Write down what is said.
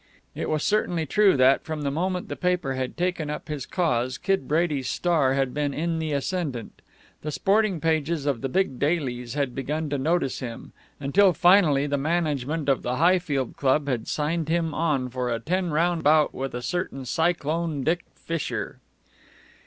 It was certainly true that, from the moment the paper had taken up his cause, Kid Brady's star had been in the ascendant. The sporting pages of the big dailies had begun to notice him, until finally the management of the Highfield Club had signed him on for a ten round bout with a certain Cyclone Dick Fisher.